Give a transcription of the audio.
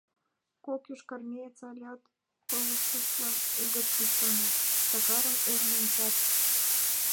Кок йошкарармеец алят пылышыштлан огыт ӱшане, Сакарым ӧрын ончат.